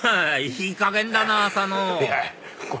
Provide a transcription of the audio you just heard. いいかげんだな浅野